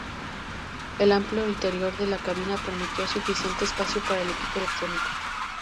El amplio interior de la cabina permitió suficiente espacio para el equipo electrónico.